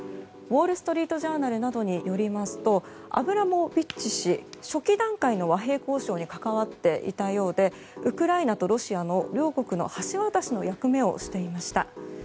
ウォール・ストリート・ジャーナルなどによりますとアブラモビッチ氏は初期段階の和平交渉に関わっていたようでウクライナとロシアの両国の橋渡しの役目をしていました。